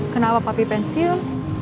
kenapa papi pensiun